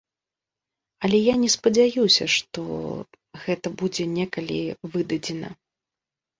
Але я не спадзяюся, што гэта будзе некалі выдадзена.